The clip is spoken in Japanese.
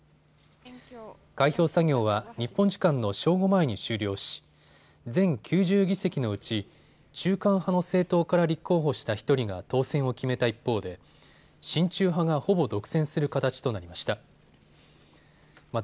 開票作業は日本時間の正午前に終了し全９０議席のうち中間派の政党から立候補した１人が当選を決めた一方で親中派がほぼ独占する形となりました。